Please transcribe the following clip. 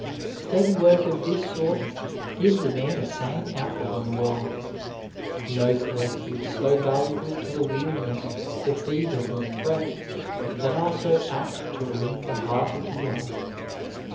Steady work of this sort gives a man a sane outlook on the world. No corrective so valuable to the weariness, the fever and the fret that are so apt to wring the heart of the young.